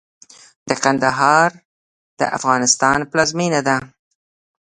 د کندهار د افغانستان پلازمېنه ده.